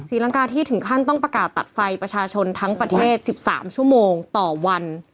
รังกาที่ถึงขั้นต้องประกาศตัดไฟประชาชนทั้งประเทศ๑๓ชั่วโมงต่อวัน